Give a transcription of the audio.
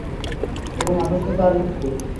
এবং অসুস্থতা, আর মৃত্যু?